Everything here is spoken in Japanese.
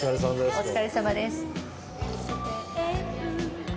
お疲れさまです。